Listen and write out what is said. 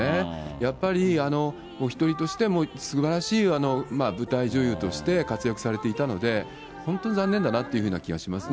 やっぱりお一人として、すばらしい舞台女優として活躍されていたので、本当に残念だなっていうふうな気がしますね。